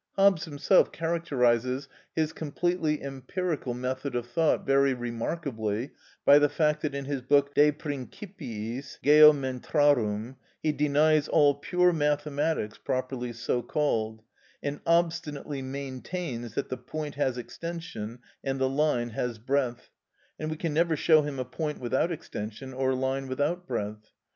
Hobbes himself characterises his completely empirical method of thought very remarkably by the fact that in his book "De Principiis Geometrarum" he denies all pure mathematics properly so called, and obstinately maintains that the point has extension and the line has breadth, and we can never show him a point without extension or a line without breadth.